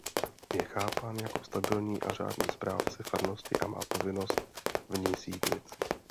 Je chápán jako stabilní a řádný správce farnosti a má povinnost v ní sídlit.